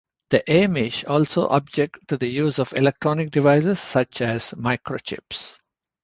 The Amish also object to the use of electronic devices such as microchips.